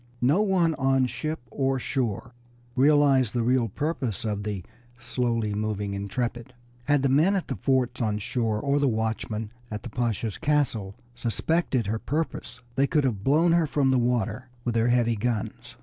No one on ship or shore realized the real purpose of the slowly moving Intrepid. Had the men at the forts on shore or the watchman at the Pasha's castle suspected her purpose they could have blown her from the water with their heavy guns.